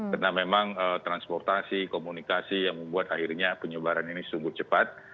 karena memang transportasi komunikasi yang membuat akhirnya penyebaran ini sungguh cepat